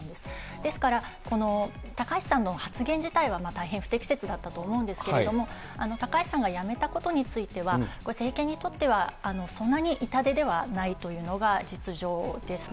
ですから、この高橋さんの発言自体は大変不適切だったと思うんですけれども、高橋さんが辞めたことについては、これ、政権にとってはそんなに痛手ではないというのが実情ですね。